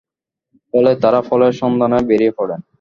ফলে তাঁরা ফলের সন্ধানে বেরিয়ে পড়েন।